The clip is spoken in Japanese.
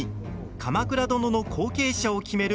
鎌倉殿の後継者を決める